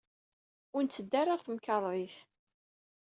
Ur netteddu ara ɣer temkarḍit.